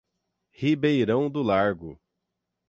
Ribeirão do Largo